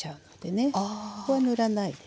ここは塗らないでね。